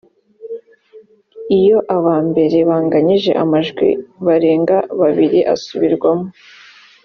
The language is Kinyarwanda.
iyo aba mbere banganyije amajwi barenga babiri asubirwamo